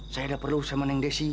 saya udah perlu sama neng desy